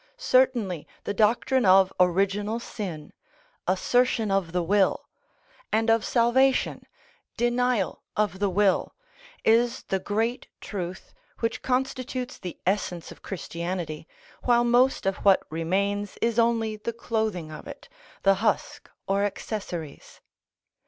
Certainly the doctrine of original sin (assertion of the will) and of salvation (denial of the will) is the great truth which constitutes the essence of Christianity, while most of what remains is only the clothing of it, the husk or accessories.